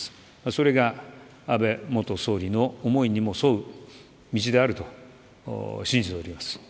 それが安倍元総理の思いにも沿う道であると信じております。